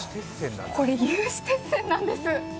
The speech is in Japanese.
有刺鉄線なんです。